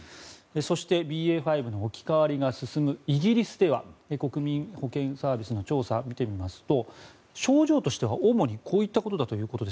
そしてＢＡ．５の置き換わりが進むイギリスでは国民保健サービスの調査を見てみますと症状としては主にこういったことだと。